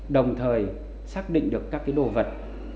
đồng thời xác định được các cái đồ vật